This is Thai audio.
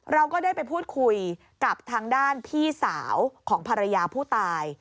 เราก็ได้ไปพูดคุยกับทางด้านพี่สาวของภรรยาผู้ตาย